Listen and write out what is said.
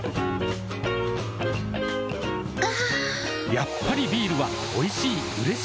やっぱりビールはおいしい、うれしい。